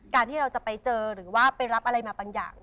ที่เราจะไปเจอหรือว่าไปรับอะไรมาบางอย่าง